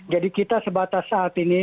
jadi kita sebatas saat ini